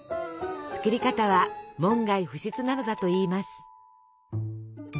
作り方は門外不出なのだといいます。